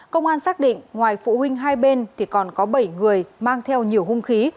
công an xác định ngoài phụ huynh hai bên thì còn có bảy người mang theo nhiều hung khí